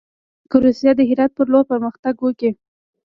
که روسیه د هرات پر لور پرمختګ وکړي.